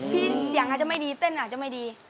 เสียงอาจจะไม่ดีเต้นอาจจะไม่ดี